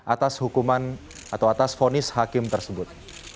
atas hukuman atau atas fonis hakim tersebut